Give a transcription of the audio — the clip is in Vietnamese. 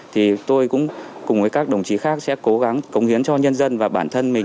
thì tôi cũng cùng với các đồng chí khác sẽ cố gắng cống hiến cho nhân dân và bản thân mình